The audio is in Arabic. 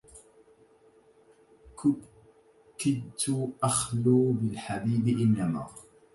كدت أخلو بالحبيب إنما